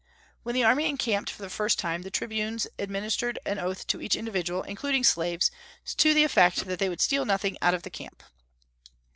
When the army encamped for the first time the tribunes administered an oath to each individual, including slaves, to the effect that they would steal nothing out of the camp.